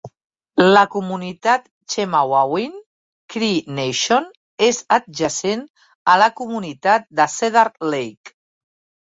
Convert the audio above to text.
La comunitat Chemawawin Cree Nation és adjacent a la comunitat de Cedar Lake.